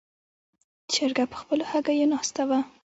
چرګه په خپلو هګیو ناستې وه.